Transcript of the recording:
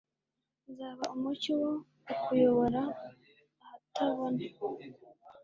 Nzaba umucyo wo kukuyobora ahatabona